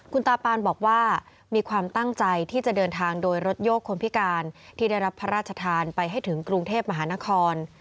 คุณตาปานบอกว่ามีความตั้งใจที่จะเดินทางโดยรถโยกคนพิการที่ได้รับพระราชทานไปให้ถึงกรุงเทพมหานคร